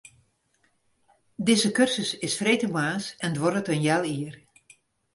Dizze kursus is freedtemoarns en duorret in heal jier.